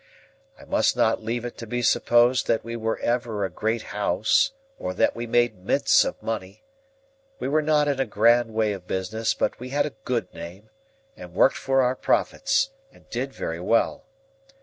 I must not leave it to be supposed that we were ever a great House, or that we made mints of money. We were not in a grand way of business, but we had a good name, and worked for our profits, and did very well.